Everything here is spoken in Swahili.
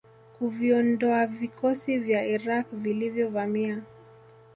kuviondoavikosi vya Iraq vilivyo vamia